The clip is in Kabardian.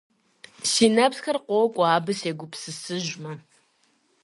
Си нэпсхэр къокӀуэ, абы сегупсысыжмэ.